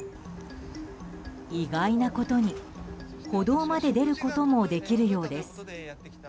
意外なことに歩道まで出ることもできるようです。